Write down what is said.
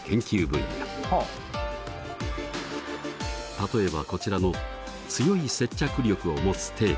例えばこちらの強い接着力を持つテープ。